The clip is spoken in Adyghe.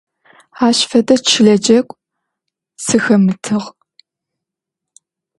Ащ фэдэ чылэ джэгу сыхэмытыгъ.